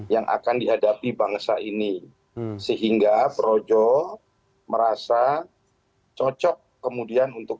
yang akan dihadapi bangsa ini sehingga projo merasa cocok kemudian untuk